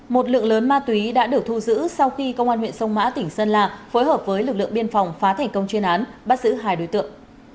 một lượng lớn ma túy đã được thu giữ sau khi công an huyện sông mã tỉnh sơn la phối hợp với lực lượng biên phòng phá thành công chuyên án bắt giữ hai đối tượng